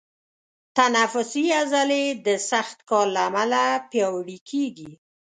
تنفسي عضلې د سخت کار له امله پیاوړي کېږي.